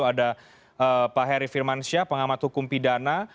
ada pak heri firmansyah pengamat hukum pidana